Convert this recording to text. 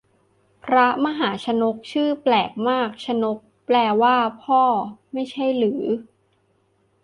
พระมหาชนก ชื่อแปลกมาก ชนกแปลว่าพ่อไม่ใช่หรือ